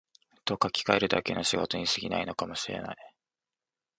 と書きかえるだけの仕事に過ぎないかも知れない